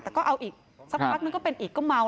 แต่ก็เอาอีกสักพักนึงก็เป็นอีกก็เมา